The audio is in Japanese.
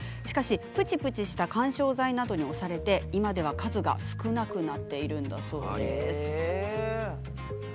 しかし、ぷちぷちした緩衝材などに押されて今では数が少なくなっているんだそうです。